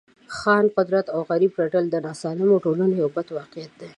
د خان قدر او د غریب رټل د ناسالمو ټولنو یو بد واقعیت دی.